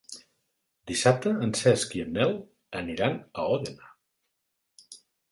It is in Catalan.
Dissabte en Cesc i en Nel aniran a Òdena.